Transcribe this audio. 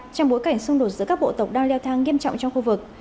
trong bối cảnh xung đột giữa các bộ tộc đang leo thang nghiêm trọng trong khu vực